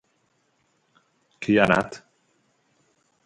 Qui hi ha anat?